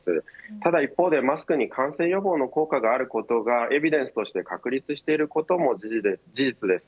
ただ一方でマスクに感染予防の効果があることがエビデンスとして確立していることも事実です。